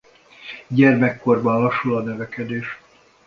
Gyermekkorban lassul a növekedés.